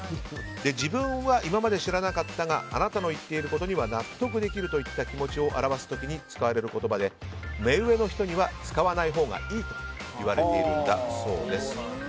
自分は今まで知らなかったがあなたの言っていることには納得できるといった気持ちを表す時に使われる言葉で目上の人には使わないほうがいいといわれているんだそうです。